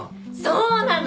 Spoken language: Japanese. そうなの。